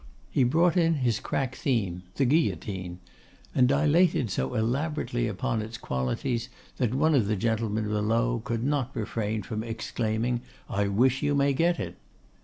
He brought in his crack theme, the guillotine, and dilated so elaborately upon its qualities, that one of the gentlemen below could not refrain from exclaiming, 'I wish you may get it.